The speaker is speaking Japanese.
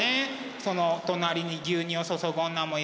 そのお隣に「牛乳を注ぐ女」もいるしね。